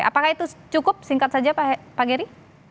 apakah itu cukup singkat saja pak geri